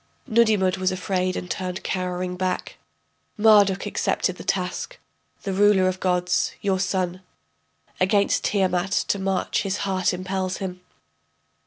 Nudimmud was afraid and turned cowering back, Marduk accepted the task, the ruler of gods, your son, Against Tiamat to march his heart impels him.